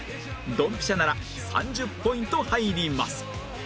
ドンピシャなら３０ポイント入ります